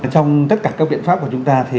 trong tất cả các biện pháp của chúng ta